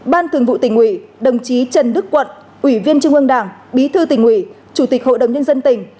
ban thường vụ tỉnh ủy đồng chí trần đức quận ủy viên trung ương đảng bí thư tỉnh ủy chủ tịch hội đồng nhân dân tỉnh